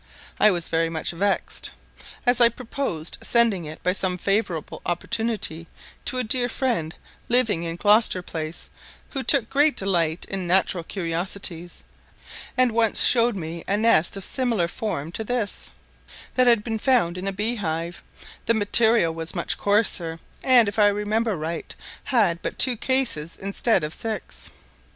I was much vexed, as I purposed sending it by some favourable opportunity to a dear friend living in Gloucester Place, who took great delight in natural curiosities, and once showed me a nest of similar form to this, that had been found in a bee hive; the material was much coarser, and, if I remember right, had but two cases instead of six.